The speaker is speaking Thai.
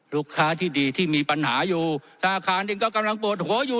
ลูกค้าที่ดีที่มีปัญหาอยู่ธนาคารเองก็กำลังปวดหัวอยู่